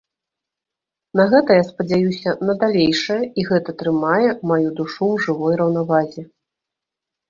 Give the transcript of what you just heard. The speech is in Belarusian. На гэта я спадзяюся на далейшае і гэта трымае маю душу ў жывой раўнавазе.